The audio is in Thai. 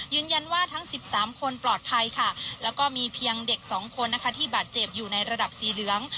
ทั้ง๑๓คนปลอดภัยค่ะแล้วก็มีเพียงเด็กสองคนนะคะที่บาดเจ็บอยู่ในระดับสีเหลือง